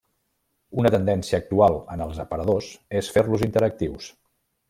Una tendència actual en els aparadors és fer-los interactius.